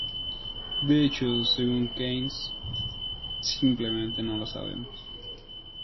De hecho, según Keynes, "simplemente no lo sabemos".